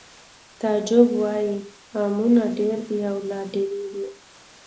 تعجب وایی غمونه ډېر دي او لا ډېرېږي